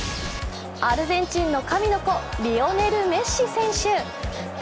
アルゼンチンの神の子リオネル・メッシ選手。